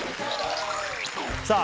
さあ